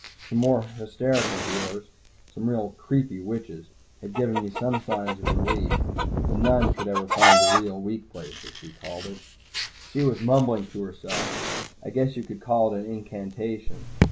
The more hysterical healers, some really creepy witches, had given me some signs of relief, but none could ever find the real "weak place," as she called it. She was mumbling to herself. I guess you could call it an incantation.